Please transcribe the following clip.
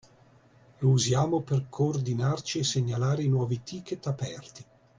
Lo usiamo per coordinarci e segnalare i nuovi ticket aperti.